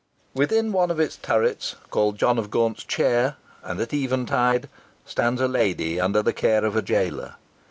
Within one of its turrets called John of Gaunt's Chair, and at eventide, stands a lady under the care of a jailer.